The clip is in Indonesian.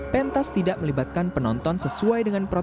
pentas tidak melibatkan penonton sesuai dengan protokol